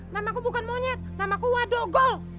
namaku bukan monyet namaku wadogol